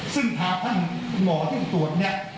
ซึ่งพาท่านหมอซึ่งตรวจเนี่ย